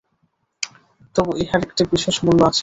তবু ইহার একটু বিশেষ মূল্য আছে।